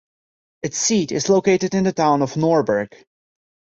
Its seat is located in the town of Norberg.